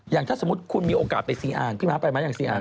อย่างถ้าสมมุติคุณมีโอกาสไปซีอ่านพี่ม้าไปไหมอย่างซีอ่าน